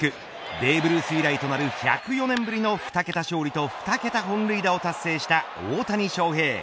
ベーブ・ルース以来となる１０４年ぶりの２桁勝利と２桁本塁打を達成した大谷翔平。